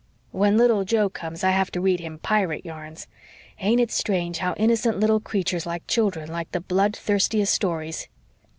When little Joe comes I have to read him pirate yarns. Ain't it strange how innocent little creatures like children like the blood thirstiest stories?"